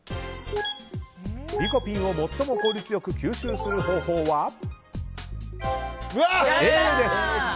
リコピンを最も効率良く吸収する方法はＡです。